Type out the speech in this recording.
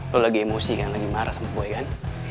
lo lagi emosi kan lagi marah sama gue kan